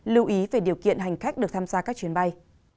lưu ý về điều kiện hành khách được tham gia các chuyến bay